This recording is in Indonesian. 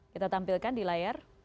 kita tampilkan di layar